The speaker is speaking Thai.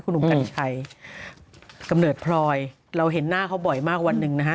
หนุ่มกัญชัยกำเนิดพลอยเราเห็นหน้าเขาบ่อยมากวันหนึ่งนะฮะ